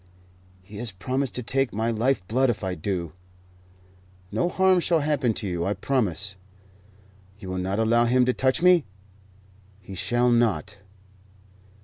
He has promised to take my life blood if I do." "No harm shall happen to you, I promise." "You will not allow him to touch me?" "He shall not."